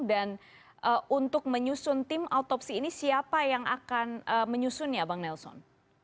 dan untuk menyusun tim autopsi ini siapa yang akan menyusun ya bang nelson